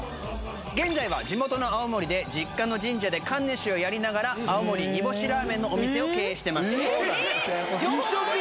現在は地元の青森で実家の神社で神主をやりながら青森煮干しラーメンのお店を経営してますえーっ！？